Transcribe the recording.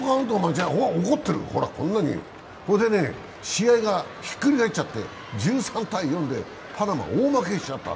怒ってる、こんなに、これで試合がひっくり返っちゃって１３−４でパナマ、大負けしちゃった。